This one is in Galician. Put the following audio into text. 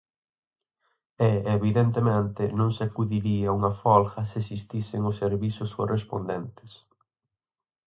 E, evidentemente, non se acudiría a unha folga se existisen os servizos correspondentes.